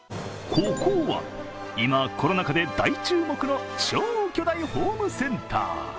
ここは今、コロナ禍で大注目の超巨大ホームセンター。